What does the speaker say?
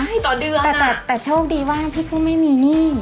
ใช่ต่อเดือนอ่ะแต่แต่แต่โชคดีว่าพี่ผู้ไม่มีหนี้